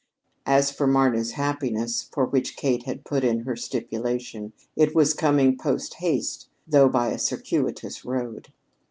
As for Mama's happiness, for which Kate had put in her stipulation, it was coming post haste, though by a circuitous road.